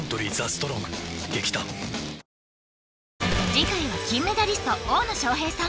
次回は金メダリスト大野将平さん